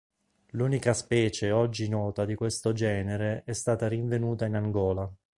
L'unica specie oggi nota di questo genere è stata rinvenuta in Angola.